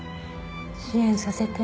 支援させて。